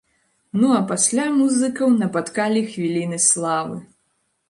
Ну а пасля музыкаў напаткалі хвіліны славы!